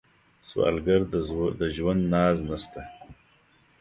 سوالګر د ژوند ناز نشته